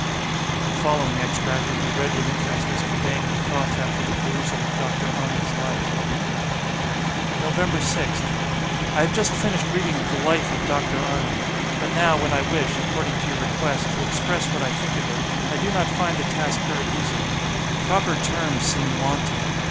The following extract will be read with interest as conveying her thoughts after the perusal of Dr. Arnold's Life: "Nov. 6th. "I have just finished reading the 'Life of Dr. Arnold;' but now when I wish, according to your request, to express what I think of it, I do not find the task very easy; proper terms seem wanting.